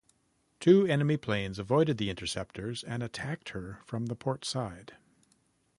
Two enemy planes avoided the interceptors and attacked her from the portside.